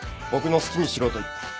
僕の好きにしろと言った。